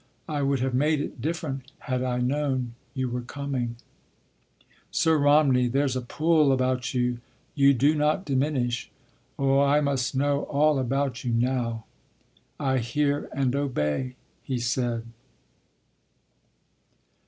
I would have made it different had I known you were coming—" "Sir Romney—there’s a pull about you. You do not diminish. Oh, I must know all about you now—" "I hear and obey," he said.